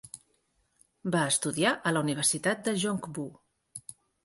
Va estudiar a la Universitat de Joongbu.